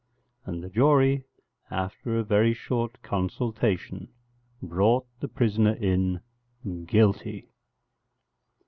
And the jury after a very short consultation brought the prisoner in Guilty.